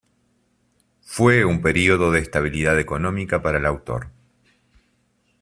Fue un período de estabilidad económica para el autor.